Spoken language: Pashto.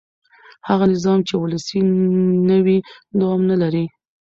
هغه نظام چې ولسي نه وي دوام نه لري